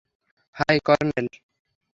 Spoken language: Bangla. High, colonel.